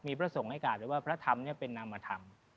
มีพระสงฆ์ให้การไว้ว่าพระธรรมเป็นนามธรรม